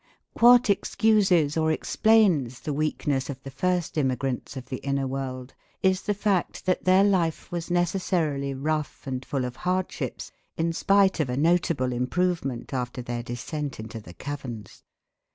What excuses or explains the weakness of the first immigrants of the inner world is the fact that their life was necessarily rough and full of hardships, in spite of a notable improvement after their descent into the caverns.